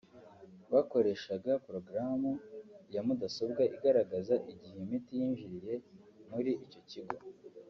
“Bakoreshaga porogaramu ya mudasobwa igaragaza igihe imiti yinjiriye muri icyo kigo